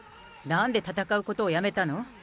なんで戦うことをやめたの？